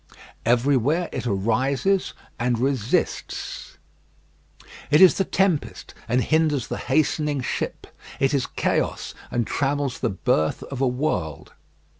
Everywhere it arises and resists. It is the tempest, and hinders the hastening ship; it is chaos, and trammels the birth of a world.